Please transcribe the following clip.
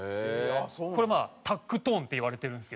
これＴＡＫトーンっていわれてるんですけど。